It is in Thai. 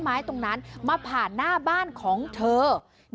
สุดทนแล้วกับเพื่อนบ้านรายนี้ที่อยู่ข้างกัน